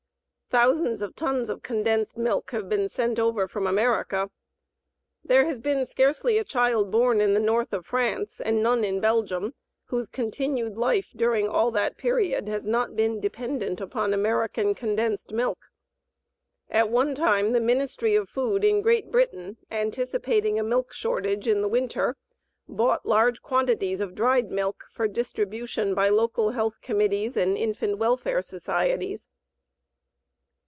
Thousands of tons of condensed milk have been sent over from America. There has been scarcely a child born in the north of France and none in Belgium whose continued life during all that period has not been dependent upon American condensed milk. At one time the Ministry of Food in Great Britain, anticipating a milk shortage in the winter bought large quantities of dried milk for distribution by local health committees and infant welfare societies.